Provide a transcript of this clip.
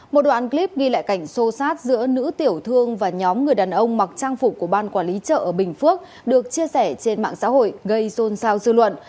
một đoạn clip ghi lại cảnh sô sát giữa nữ tiểu thương và nhóm người đàn ông mặc trang phục của ban quản lý chợ ở bình phước được chia sẻ trên mạng xã hội gây xôn xao dư luận